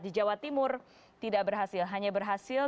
di jawa timur tidak berhasil hanya berhasil